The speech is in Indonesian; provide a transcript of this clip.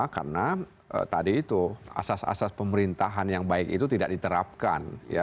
karena tadi itu asas asas pemerintahan yang baik itu tidak diterapkan